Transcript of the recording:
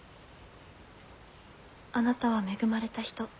あなたは恵まれた人。